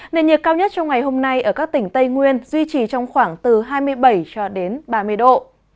nền nhiệt cao nhất trong ngày hôm nay ở các tỉnh tây nguyên duy trì trong khoảng từ hai mươi bảy cho đến ba mươi độ